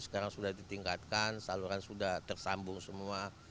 sekarang sudah ditingkatkan saluran sudah tersambung semua